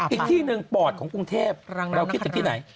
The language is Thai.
อีกที่หนึ่งปอดของกรุงเทพเราคิดถึงที่ไหน